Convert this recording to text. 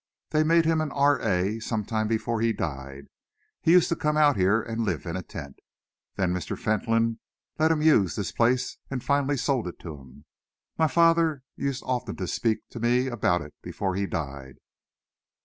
They made him an R.A. some time before he died. He used to come out here and live in a tent. Then Mr. Fentolin let him use this place and finally sold it to him. My father used often to speak to me about it before he died."